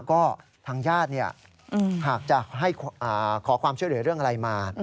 ก็ทางญาติหากจะให้ขอความช่วยเหลือเรื่องอะไรมา